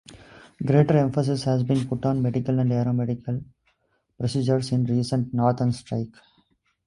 Greater emphasis has been put on medical and aeromedical procedures in recent Northern Strike.